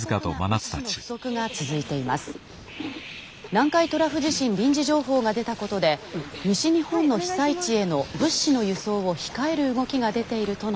南海トラフ地震臨時情報が出たことで西日本の被災地への物資の輸送を控える動きが出ているとの指摘もあります」。